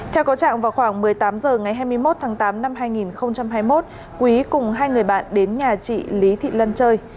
theo có trạng vào khoảng một mươi tám h ngày hai mươi một tháng tám năm hai nghìn hai mươi một quý cùng hai người bạn đến nhà chị lý thị lân chơi